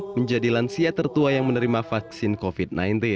menjadi lansia tertua yang menerima vaksin covid sembilan belas